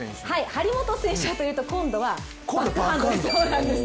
張本選手はというと今度はバックハンドなんです。